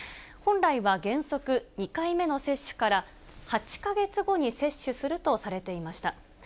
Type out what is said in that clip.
本来は原則、２回目の接種から８か月後に接種するとされていました。